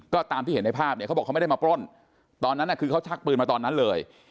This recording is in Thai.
ก็ตามที่เห็นในภาพเนี่ยเขาบอกเขาไม่ได้มาปล้นตอนนั้นคือเขาชักปืนมาตอนนั้นเลย